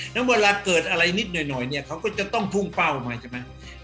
แล้วเวลาเกิดอะไรนิดหน่อยเนี่ยเขาก็จะต้องพุ่งเป้ามาใช่ไหม